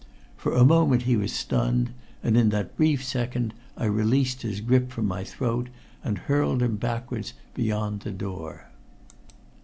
For a moment he was stunned, and in that brief second I released his grip from my throat and hurled him backwards beyond the door.